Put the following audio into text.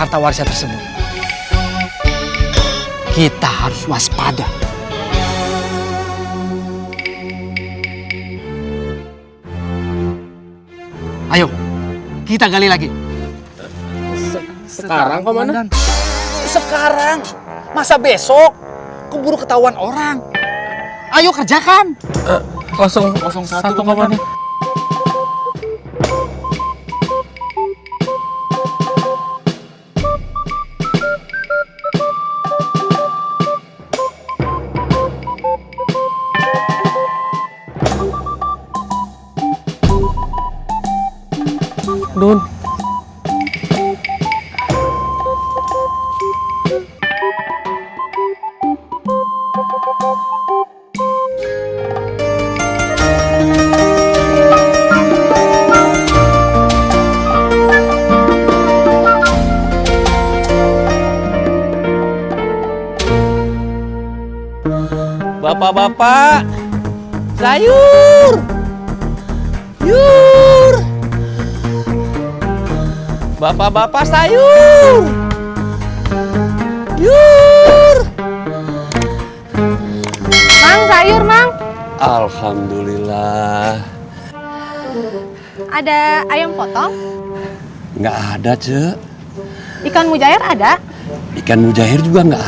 tempat ini teh clear